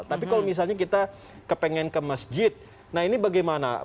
tapi kalau misalnya kita kepengen ke masjid nah ini bagaimana